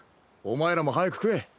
お前らも早く食え。